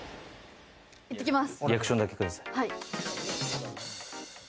行ってきます。